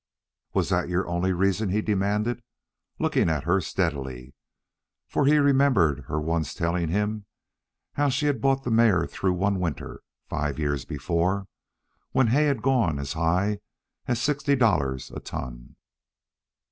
"Was that your only reason?" he demanded, looking at her steadily; for he remembered her once telling him how she had brought the mare through one winter, five years before, when hay had gone as high as sixty dollars a ton.